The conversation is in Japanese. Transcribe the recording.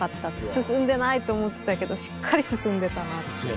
進んでないと思ってたけどしっかり進んでたなって。